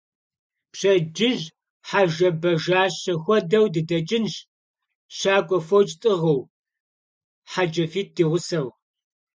Пщэдджыжь хьэжэбэжащэ хуэдэу дыдэкӀынщ, щакӀуэ фоч тӀыгъыу, хьэджафитӀ ди гъусэу.